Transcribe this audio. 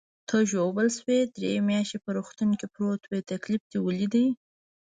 ته ژوبل شوې، درې میاشتې په روغتون کې پروت وې، تکلیف دې ولید.